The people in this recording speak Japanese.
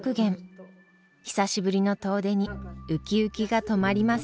久しぶりの遠出にウキウキが止まりません。